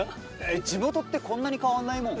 地元ってこんなに変わんないもん？